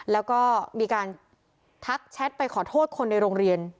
แล้วก็มีการทักแชทไปขอโทษคนในโรงเรียน